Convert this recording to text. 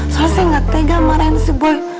soalnya saya gak tega marahin si boy